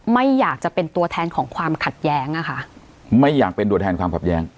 ไม่อยากจะเป็นตัวแทนของความขัดแย้งอะค่ะไม่อยากเป็นตัวแทนความขัดแย้ง